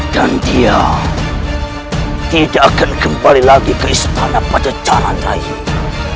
dan dia tidak akan kembali lagi ke istana pada jalan lain